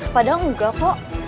padahal enggak kok